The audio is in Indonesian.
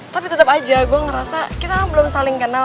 tapi tetap aja gue ngerasa kita belum saling kenal